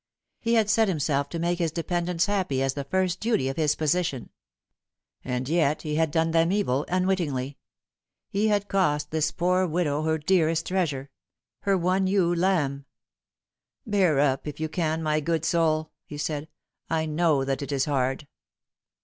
He had set himself to make his dependents happy as the first duty of his position. And yet he had done them evil unwittingly. He had cost this poor widow her dearest treasure her one ewe lamb. " Bear up, if you can, my good soul," he said ;" I know that it is hard."